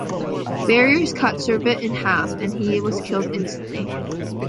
The barriers cut Cevert in half and he was killed instantly.